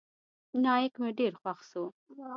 نايک مې ډېر خوښ سو.